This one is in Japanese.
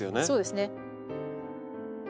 そうですね。